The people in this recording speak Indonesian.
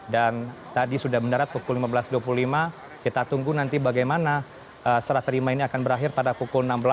tadi sudah mendarat pukul lima belas dua puluh lima kita tunggu nanti bagaimana serah terima ini akan berakhir pada pukul enam belas